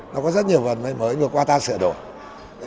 nó có rất nhiều vấn đề mới vừa qua ta sửa đổi